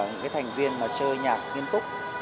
những cái thành viên mà chơi nhạc nghiêm túc